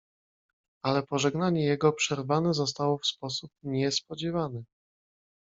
"Ale pożegnanie jego przerwane zostało w sposób niespodziewany."